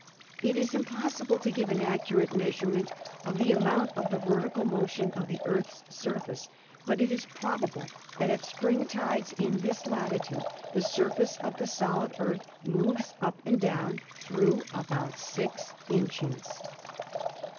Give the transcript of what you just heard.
It is impossible to give an accurate measurement of the amount of the vertical motion of the Earth's surface, but it is probable that at spring tides in this latitude the surface of the solid Earth moves up and down through about six inches.